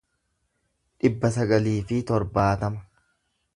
dhibba sagalii fi torbaatama